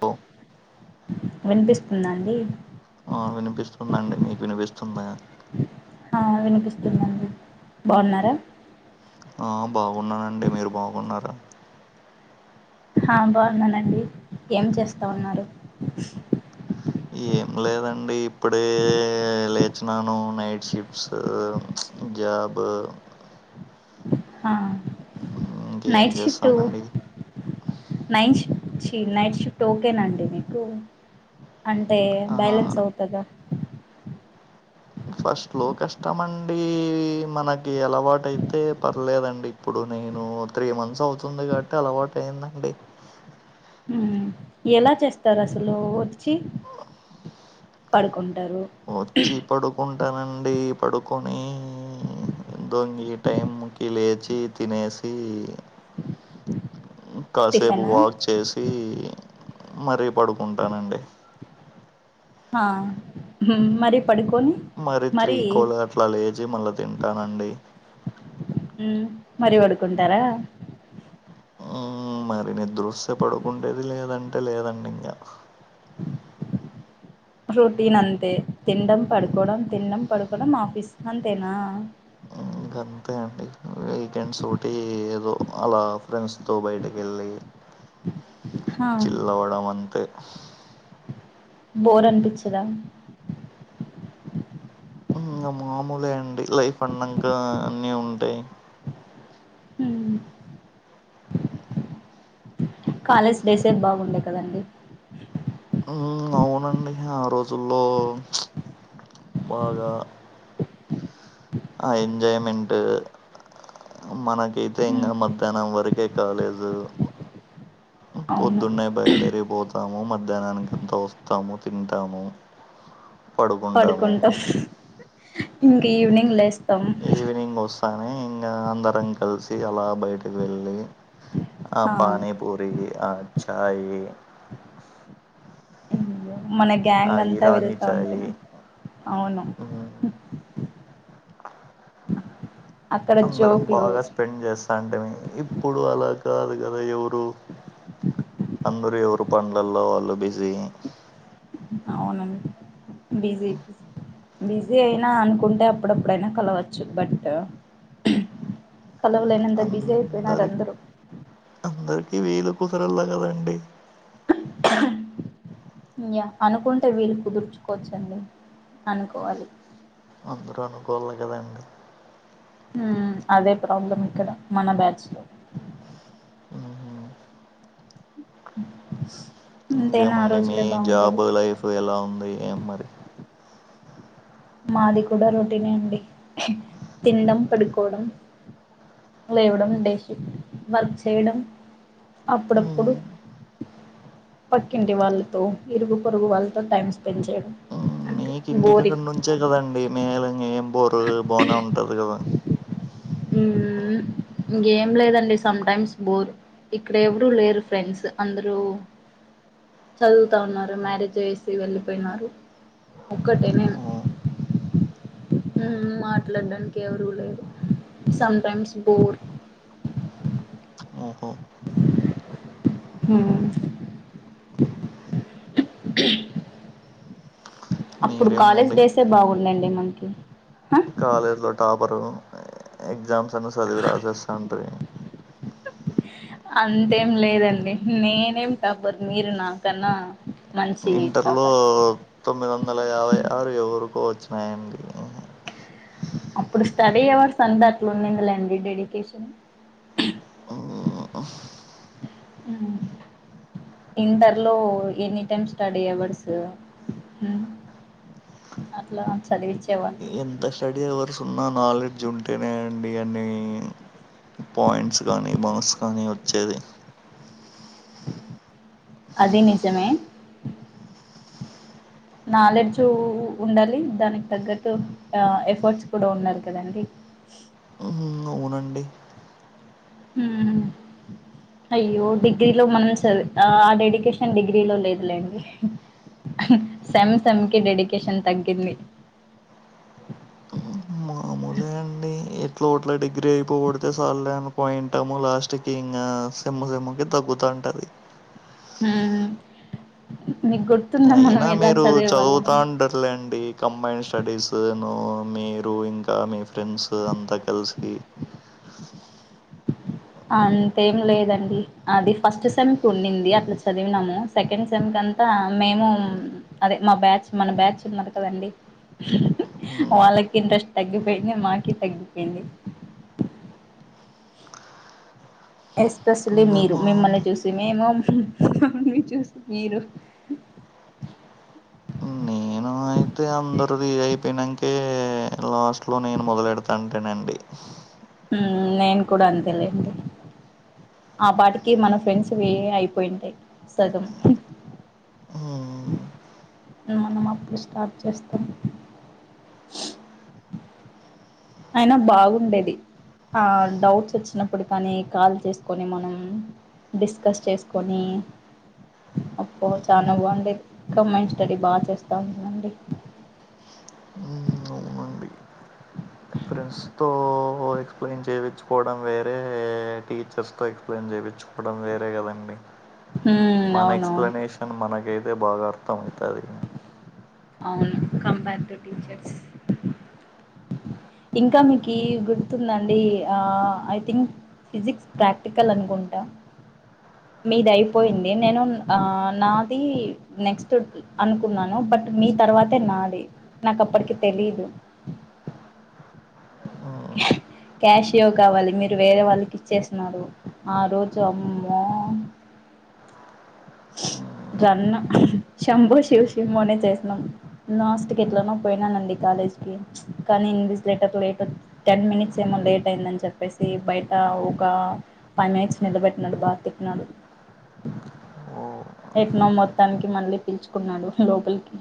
త వినిపిస్తుందా అండి ఆ వినిపిస్తుందండి మీకు వినిపిస్తుందా ఆ వినిపిస్తుందండి బాగున్నారా ఆ బాగున్నానండి మీరు బాగున్నారా ఆ బాగున్నానండి ఏం చేస్తా ఉన్నారు ఏం లేదండి ఇప్పుడే లేచినాను నైట్ షిఫట్స్ పంజాబ్ ఇంకేం నైట్ షిఫట్ చేస్తామండి నైట్ ీ నైట్ షిఫ్ట్ ఓకేనండి మీకు అంటే ఆ బ్యాలెన్స్ అవుతందా ఫస్ట్ లో కష్టమ అండి మనకి అలవాటుయితే పర్లేదండి ఇప్పుడు న నేను త్రీ మంత్స్ అవుతుంది కాబట్టి అలవాటు అయిందండి మ్మ్ ఎలా చేస్తారు అసలు వచ్చి పడుకుంటారు వచ్చి పడుకుంటానండి పడుకొని దొంగి టైంకి లేచి తినేసి కాసేపు టిఫినా వాక్ చేసి మరీ పడుకుంటానండి ఆ మరి పడుకోని మరి త్రీకులు అట్లా లేచి మళ్ళా తింటానండి ఉ మరీ పడుకుంటారా నిదృశ్య పడుకుంటేది లేదంటే లేదండి ఇంకా రొటీన్ అంతే తినడం పడుకోవడం తినడం పడుకోవడం ఆఫీస్ అంతేనా ఇంక అంతే అండి వీకెండ్స్ ఒకటి ఏదో అలా ఫ్రెండ్స్తో బయటకి వెళ్ళి ఆ చిల్లవడం అంతే బోర్ అనిపించదా ఇంకా మామూలే అండి లైఫ్ అన్నాక అన్నిీ ఉంటాయి ఉ కాలేజ్ డేస్ ఏ బాగుండే కదండి అవునండి ఆ రోజుల్లో బాగా ఆ ఎజయ్మెంట్ మనకైతే ఉ ఇంకా మధ్యాహ్నం వరకే కాలేజు అవును పొద్దున్నాయి బయల్లర పోతాము మధ్యాహ్నానికి అంత వస్తాము తింటాము పడుకుంటాము పడుకుంటాం ఇంకా ఈవినింగ్ లేస్తాం కానీ ఇంకా అందరం కలిసి అలా బయటకి వెళ్ళలి ఆ పనీపూరి ఆ చయ్ మన గ్యాంగ్ అంతా వెళ్తా చాయ్ ఉంటున్నా అవును ఉమ్, అక్కడ అందరం జోకులు బాగా స్పెండ్ చేస్తా అంటే ఇప్పుడు అలా కాదు కదా ఎవరు అందరుూ ఎవరు పండ్లల్లో వాళ్ళు బిజీ బిజేపి బిజీ అయినా అనుకుంటే అప్పుడప్పుడైనా కలవచ్చు బట్ కలవలేనంత బిజీ అయిపోయినారు అందరి అందరూ అందరికి వీలు కుసరలా కదండి ఇ్యా అనుకుంటే వీళ్ళు కుదుర్చుకోవచ్చండి అనుకోవాలి అందరూ అనుకోాలి కదండి అదే ప్రాబ్లం ఇక్కడ మన బ్యాచ్ లో ఉమ్. అంతేనా ఆ ఇంకేమండి మీ రోజులే బాగుండేవి జాబ్ లైఫ్ ఎలా ఉంది ఏ మరి మాది కుడ రొటీనే అండి తినడం పడుకోడం లేవడం డెషిఫ్ట్ వర్క్ చేయౌడం అప్పుడప్పుడు హ్మ్ పక్కింటి వాళ్లతో ఇరుగు పొరుగు వాళ్తో టైం స్పెండ్ చేయడం అంతె బోరింగ్ చె కదండి మేల ఏం బోరు బానే ఉంటది కదా ఇంగేం లేదండి సమ్టైమ్స్ బోర్ ఇక్కడ ఎవరూ లేరు ఫ్రెండ్స్ అందరూ చదువుతా ఉన్నారు మ్యారేజ్ అయేసి వెళ్ళిపోయినారు ఒక్కటే నేన్ ఓ- మ్ మాట్లాడ్డానికి ఎవరు లేరు సమ్టైమ్స్ బోర్ ఓహో హ్మ్ అప్పుడ్ కాలేజ్ మీరేమనండి డేసే బాగుండండి మనకి హ కాలేజ్ లో టాపరూ ఎగ్జామ్స్ అన్ని చదివి రాసేస్తాండీ అంతేం లేదండి నేనేం టాపర్ మీరు నాకన్నా మంచీ ఇంటర్లో టాపర్ తొమ్మిది వందల యాభై ఆరు [inaudible] అప్పుడు స్టడీ అవర్స్ అంత అట్లా ఉండింది లేండి డెడికేషన్ ఆ మ్ ఇంటర్ లో ఎనీ టైమ్ స్టడీ అవర్సు అట్లా చదివించేవాల్లు ఎంత స్టడీ అవర్స్ ఉన్నా నాలెడ్జ్ ఉంటేనే అండి అన్నీ పాయింట్స్ కానీ మాక్స్ కానీ ఒచ్చేది అదీ నిజమే నాలెడ్జూ ఉండాలి దానిక్ తగ్గట్టు ఎఫర్ట్స్ కూడ ఉండాలి కదండి అ మ్ హ్ అవునండి మ్ అయ్యో డిగ్రీలో మనం చద్ ఆ డెడికేషన్ డిగ్రీలో లేద్లేండి సెమ్ సమ్కి డెడికేషన్ తగ్గింది మాములె అండి ఎట్ల ఒట్ల డిగ్రీ అయిపోగొడతే చాల్లేను పోయింటాము లాస్ట్ కి ఇంకా సెమ్ము సెమ్ముకి తగ్గు తుంటుది మ్ నీక్ గుర్ అయినా మీరూ చదువుతా అంటార్లేండి కంబైన్ స్టడీస్ నో మీరు ఇంకా మీ ఫ్రెండ్స్ అంతా కల్సి అంతేం లేదండి అది ఫస్ట్ సెమ్కి ఉండింది అట్లా చదివినాము సెకండ్ సెమ్కి అంతా మేమూ అదే మా బ్యాచ్ మన బ్యాచ్ ఉన్నార్ కదండి మ్మ్ వాళ్ళకి ఇంట్రెస్ట్ తగ్గిపోయింది మాకి తగ్గిపోయింది ఎస్పెషలీ ఇంగ మీరు మిమ్మల్ని మాము చూసి మేము మమ్మల్ని చూసి మీరు పినంకే లాస్ట్లో నేను మొదలెడతా అంటేనండి మ్ నేన్ కూడ అంతేలేండి ఆ పాటికి మన ఫ్రెండ్స్వి అయిపోయింటాయ్ సగం మ్మ్ మనం అప్పుడు స్టాప్ చేస్తాం అయినా బాగుండేది ఆ డౌట్స్ వచ్చినప్పుడు కానీ కాల్ చేసుకొని మనం డిస్కస్ చేసుకొని అప్ప చాలా బాగుండంది కమాండ్ స్టడీ బాగా చేస్తా ఉందండి ఉ అవునండి ఫ్రెండ్స్తో ఎక్స్ప్లెయిన్ చేయిచ్చుకోవడం వేరే టీచర్స్ తో ఎక్స్ప్లెయిన్ చేయించుకోవడం వేరే కదండి హ్మ్ మన అవునవును ఎక్స్ప్లెనేషన్ మనకైతే బాగా అర్థం అవుతుంది అవును కంపేర్చర్స్ ఇంకా మీకు గుర్తుందండి ఆ ఐ థింక్ ఫిజిక్స్ ప్రాక్టికల్ అనుకుంటా మీది అయిపోయింది నేను ఆ నాది నెక్స్ట్ అనుకున్నాను బట్ మీ తర్వాతే నాది నాకు అప్పటికి తెలిదు క్యాషియో కావాలి మీరు వేరే వాళ్ళకి ఇచ్చేస్తున్నారు ఆ రోజు అమ్మో ఉ జన్న శంబు శివ్ శంబోనే చేసినాం లాస్ట్ క ఎట్లనా పోయినానండి కాదు కాలేజ్కి కానీ English later late ten minutes ఏమో లేట్ అయిందని చెప్పేసి బయట ఒక పనాయి మ్యాచ్ నిలబెట్టినాడు భార్తీక్ నాడు ఓ ఎక్నో మొత్తానికి మళ్ళీ పిల్చుకున్నాడు లోపలికి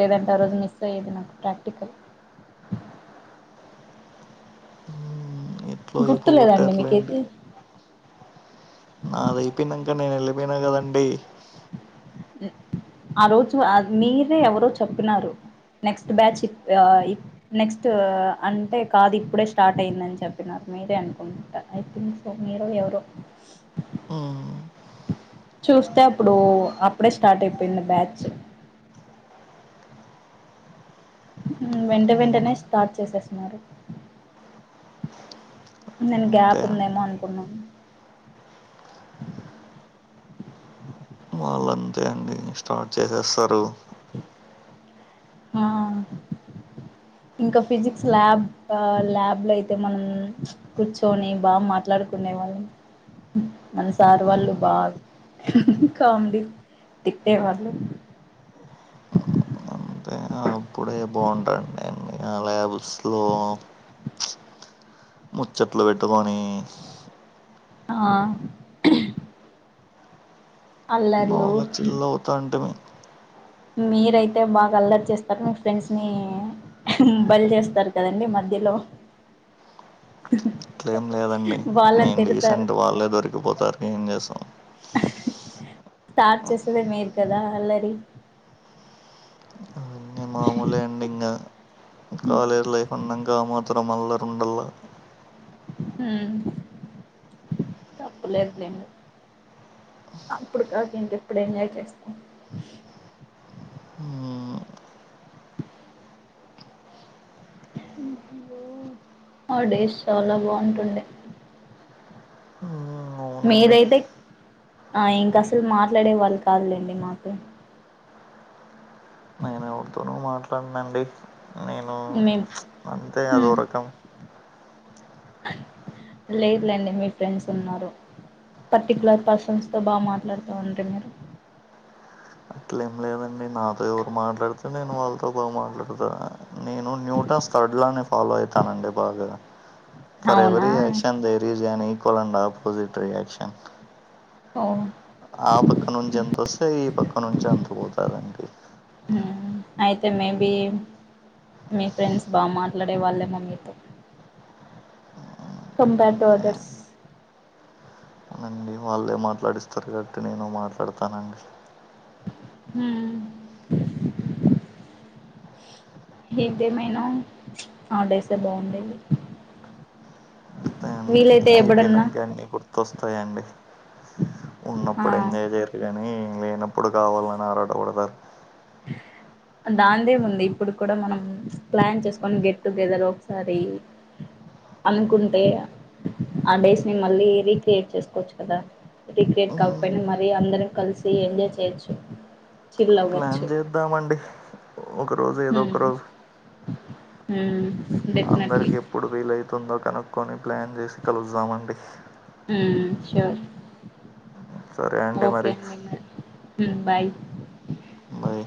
లేదంటే ఆ రోజు మిస్ అయ్యేది నాకు ప్రాక్టికల్ ఎట్లో గుర్తులేదండి అయిపోగొట్టారులేండి మీకేది నాది అయిపోయినాక [unintelligible] కదండి ఆ రోజు మీదే ఎవరో చెప్పినారు నెక్స్ట్ బ్యాచ్ నెక్స్ట్ అంటే కాదు ఇప్పుడే స్టార్ట్ అయ్యిందని చెప్పినారు మీరే అనుకుంటా ఐథింక్ సో మీరు ఎవరు ఉ చూస్తే అప్పుడు అప్పుడే స్టార్ట్ అయిపోయింది బ్యాచ్ వెంట వెంటనే అవును స్టార్ట్ చేసేస్తున్నారు నేను అంతే గ్యాప్ అండి ఉందేమో అనుకున్నాం వాళ్ళు అంతే అండి స్టార్ట్ చేసేస్తారు ఆ ఇంకా ఫిజిక్స్ ల్యాబ్ ల్యాబ్ ల మనం కూర్చొని బాగా మాట్లాడుకునేవి మన సారు వాళ్ళు బా కామెడీ తిట్టే వాళ్లు ఎ బాగుంటా అ ఆ [unintelligible] ల్యాబ్స్ లో ముచ్చట్లు పెట్టుకొని ఆ అల్లర్లు బాగా చిల్ అవుతా అంటే మేము మీరయితే బాగా అల్లరి చేస్తారు మీ ఫ్రెండ్స్ ని బలు చేస్తారు కదండీ మధ్యలో అట్లే ఏం లేదండి వాళ్ళని నేను తిడతారు రీసెంట్ వాళ్ళే దొరికిపోతారు ఏం చేసాం స్టార్ట్ చేసదే మీరు కదా అల్లరి అవన్నీ మామూలే అండి ఇంగా కాలేజ్ లైఫ్ ఉన్నాంక మాత్రం మల్ల ఉండల్లా హు తప్పులేదు లే అప్పుడు కాక ఇంకెప్పుడు ఎంజాయ్ చేస్తాం మ్మ్ హోలీ డేస్ చాలా బాగుంటుండే మ్మ్ అవునండి మీదైతే ఆ ఇంకా అసలు మాట్లాడే వాళ్ళు కాదులేండి మాకు న న ఉతో మాట్లాడునండి నేను మేము అంతే అదోరకం లేదులేండి మీ ఫ్రెండ్స్ ఉన్నారు పర్టికులర్ పర్సన్స్ తో బాగా మాట్లాడుతూ ఉండ మీరు అట్లే నాతో ఎవరు మాట్లాడితే నేను వాళ్ళతో బ మాట్లాడతా నేను న్యూటన్ స్టడ్ ఫా అతానే బాగా ఫేవ అవునా రియాక్షన్జన్ ఈక్వల్ ఆపోజట్ రయాక్షన్ ఓ ఆ పక్క నుంచి ఎంతొస్తే ఈ పక్క నుంచి అంత పోతుదడి అయితే మే బ మీ ఫ్రెండ్స్ బాగా మాట్లాడే వాళ్ళేమో మీతో కంపేర్ టు అదర్స్ అవునండి వాళ్ళే మాట్లాడిస్తారు గబట్టి నేను మాట్లాడతానండి హ ఏదేమైనా ఆడేస్తే బాగుండేది అంత అయిపోయినాక అన్న గుర్తొస్తాయిండి ఆ ఉన్నప్పుడు ఎంజాయ్ చేయరు కానీ ఎన్నప్పుడు కావాల ఆరాట కొడతారు అ దాదే ఉంది ఇప్పుడు కూడా మనం ప్లాన్ చేసుకొని గెట్ టుగెదర్ ఒకసారి అనుకుంటే ఆ డేస్ ని మళ్ళీ రీక్రియేట్ చేసుకోవచ్చు కదా రీక్రియేట్ కాకపోయినా మరీ అందరం కలిసి ఎంజాయ్ చేయొచ్చు చిల్ అవ్వచ్చు వద్దామండి ఒకరోజు ఏదో ఒక రరోజు ఆ అందరికి ఎప్పుడు ఫీల్ అవుతుందో కనుక్కొని ప్లాన్ చేసి కలుస్తామండి సషర్ సరే అండి మరి బాయ్ మరి